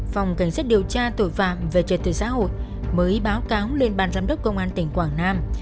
phòng cảnh sát điều tra tội phạm về trật tự xã hội mới báo cáo lên bàn giám đốc công an tỉnh quảng nam